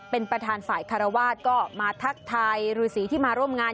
เป็นประธานฝ่ายคารวาสก็มาทักทายฤษีที่มาร่วมงาน